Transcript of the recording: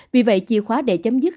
vì vậy chìa khóa để chấm dứt